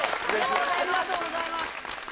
ありがとうございます